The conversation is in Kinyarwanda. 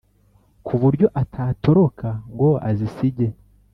ku buryo atatoroka ngo azisige.